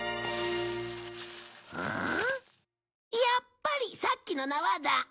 やっぱりさっきのなわだ。